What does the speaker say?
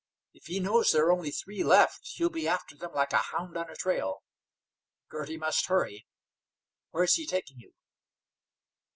If he knows there are only three left, he'll be after them like a hound on a trail. Girty must hurry. Where's he taking you?"